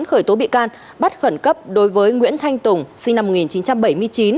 khởi tố bị can bắt khẩn cấp đối với nguyễn thanh tùng sinh năm một nghìn chín trăm bảy mươi chín